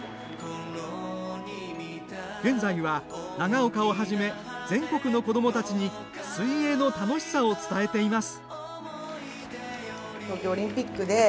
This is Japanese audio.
現在は長岡をはじめ全国の子どもたちに水泳の楽しさを伝えています。